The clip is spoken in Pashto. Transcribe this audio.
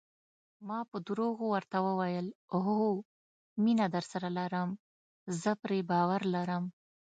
ما په درواغو ورته وویل: هو، مینه درسره لرم، زه پرې باور لرم.